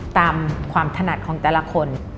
ตามความถนัดของแต่ละคน